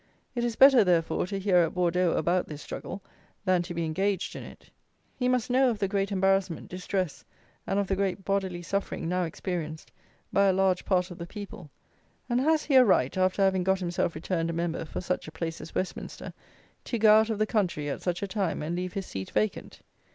It is better, therefore, to hear at Bordeaux, about this struggle, than to be engaged in it! He must know of the great embarrassment, distress, and of the great bodily suffering, now experienced by a large part of the people; and has he a right, after having got himself returned a member for such a place as Westminster, to go out of the country, at such a time and leave his seat vacant?